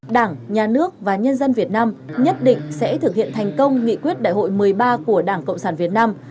đảng nhà nước và nhân dân việt nam nhất định sẽ thực hiện thành công nghị quyết đại hội một mươi ba của đảng cộng sản việt nam